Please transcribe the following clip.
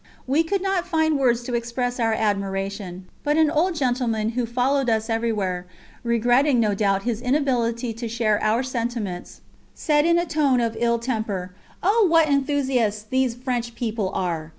We could not find words to express our admiration, but an old gentleman who followed us everywhere regretting no doubt his inability to share our sentiments said in a tone of ill temper: "Oh, what enthusiasts these French people are!"